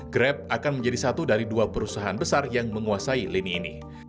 grab akan menjadi satu dari dua perusahaan besar yang menguasai lini ini